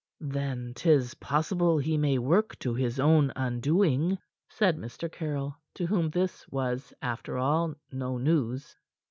"Then, 'tis possible he may work to his own undoing," said Mr. Caryll, to whom this was, after all, no news.